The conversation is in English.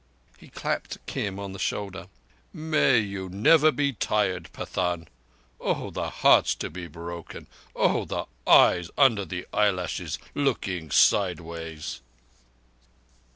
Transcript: He clapped Kim on the shoulder. "May you never be tired, Pathan! Oh, the hearts to be broken! Oh, the eyes under the eyelashes, looking sideways!"